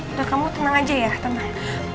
udah kamu tenang aja ya tenang